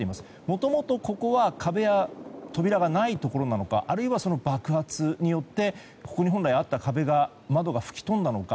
もともと、ここは壁や扉がないところなのかあるいはその爆発によってここに本来あった壁や窓が吹き飛んだのか